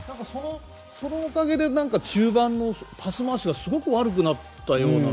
そのおかげで中盤のパス回しがすごく悪くなったような。